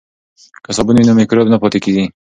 که صابون وي نو مکروب نه پاتې کیږي.